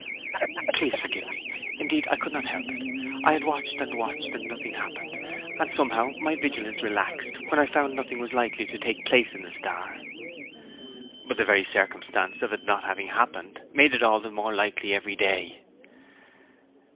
'Please forgive me! Indeed, I could not help it. I had watched and watched, and nothing happened; and somehow my vigilance relaxed when I found nothing was likely to take place in the star.' 'But the very circumstance of it not having happened, made it all the more likely every day.'